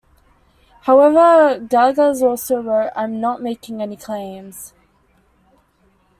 However, Gallagher also wrote, "I'm not making any claims".